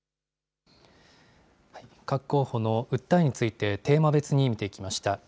各候補の訴えについて、テーマ別に見ていきました。